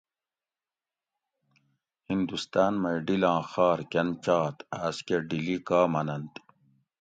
ھندوستان مئ ڈھل آں خار کۤن چات آۤس کہۤ ڈھلی کا مننت؟